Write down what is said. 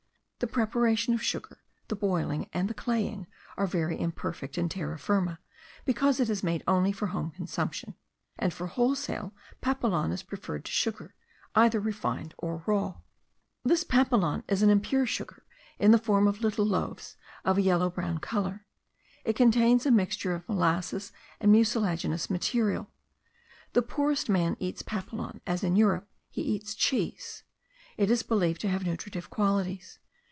The preparation of sugar, the boiling, and the claying, are very imperfect in Terra Firma, because it is made only for home consumption; and for wholesale, papelon is preferred to sugar, either refined or raw. This papelon is an impure sugar, in the form of little loaves, of a yellow brown colour. It contains a mixture of molasses and mucilaginous matter. The poorest man eats papelon, as in Europe he eats cheese. It is believed to have nutritive qualities.